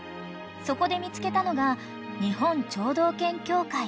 ［そこで見つけたのが日本聴導犬協会］